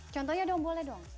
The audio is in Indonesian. contohnya dong boleh